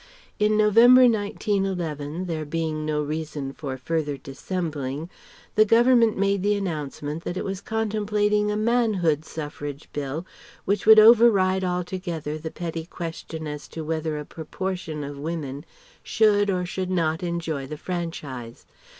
In November, 1911, there being no reason for further dissembling, the Government made the announcement that it was contemplating a Manhood Suffrage Bill, which would override altogether the petty question as to whether a proportion of women should or should not enjoy the franchise.